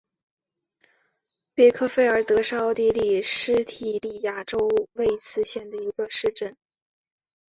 比克费尔德是奥地利施蒂利亚州魏茨县的一个市镇。